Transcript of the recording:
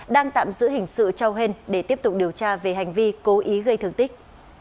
đang tạm giữ hình sự châu hên để tiếp tục điều tra về hành vi cố ý gây thương tích